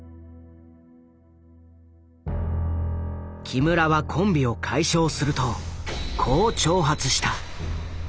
木村はコンビを解消するとこう挑発した。